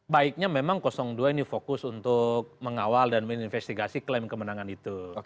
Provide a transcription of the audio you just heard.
baiknya memang dua ini fokus untuk mengawal dan menginvestigasi klaim kemenangan itu